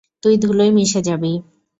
তুই ধূলোয় মিশে যাবি।